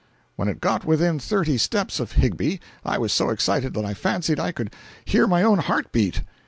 When it got within thirty steps of Higbie I was so excited that I fancied I could hear my own heart beat.